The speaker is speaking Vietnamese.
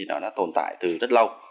nó đã tồn tại từ rất lâu